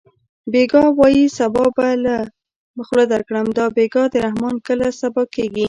بېګا وایې سبا له به خوله درکړم دا بېګا د رحمان کله سبا کېږي